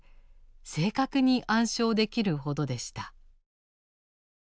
正確に暗唱できるほどでした。